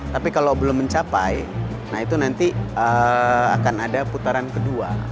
tapi kalau belum mencapai nah itu nanti akan ada putaran kedua